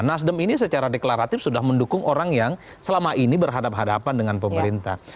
nasdem ini secara deklaratif sudah mendukung orang yang selama ini berhadapan hadapan dengan pemerintah